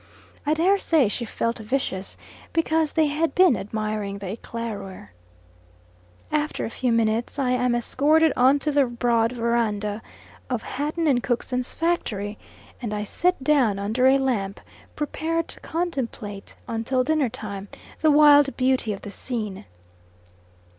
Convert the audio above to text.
I dare say she felt vicious because they had been admiring the Eclaireur. After a few minutes, I am escorted on to the broad verandah of Hatton and Cookson's factory, and I sit down under a lamp, prepared to contemplate, until dinner time, the wild beauty of the scene.